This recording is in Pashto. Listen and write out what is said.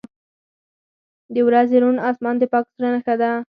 • د ورځې روڼ آسمان د پاک زړه نښه ده.